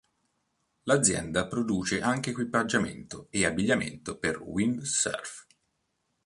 L'azienda produce anche equipaggiamento e abbigliamento per windsurf.